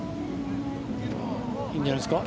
いいんじゃないですか。